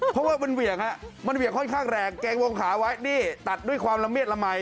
เพราะว่ามันเหวี่ยงฮะมันเหวี่ยงค่อนข้างแรงเกรงวงขาไว้นี่ตัดด้วยความละเมียดละมัย